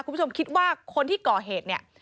คุณผู้ชมคิดว่าคนที่ก่อเหตุเนี่ย